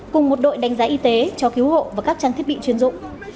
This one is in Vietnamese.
cùng một đội đánh giá y tế cho cứu hộ và các trang thiết bị chuyên dụng